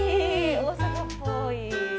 大阪っぽい。